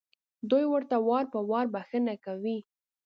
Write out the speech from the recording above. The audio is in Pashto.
دوی ورته وار په وار بښنه کوي.